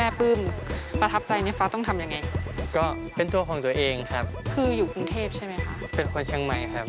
เลือกฟังเสียงหัวใจ